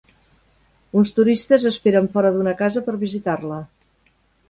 Uns turistes esperen fora d'una casa per visitar-la.